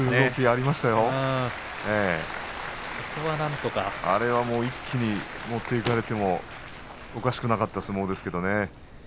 あそこは一気に持っていかれてもおかしくなかった相撲ですね。